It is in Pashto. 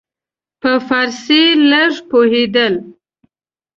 په فارسي لږ پوهېدل.